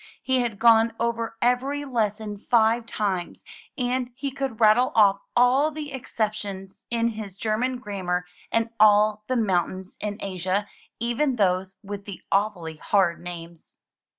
He had gone over every lesson five times, and he could rattle off all the exceptions in his German grammar and all the mountains in Asia, even those with the awfully hard names.